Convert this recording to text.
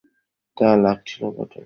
তা লাগছিল বটে।